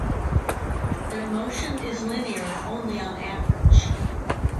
Their motion is linear only on average.